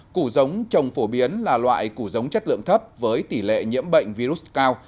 củ giống trồng phổ biến là loại củ giống chất lượng thấp với tỷ lệ nhiễm bệnh virus cao